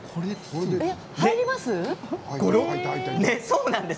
入ります？